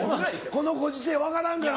このご時世分からんからな。